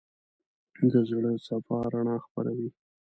د زړه صفا رڼا خپروي.